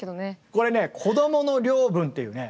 これね「こどもの領分」っていうね